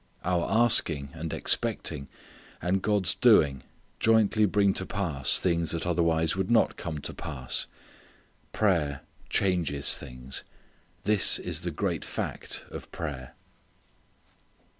Our asking and expecting and God's doing jointly bring to pass things that otherwise would not come to pass. Prayer changes things. This is the great fact of prayer.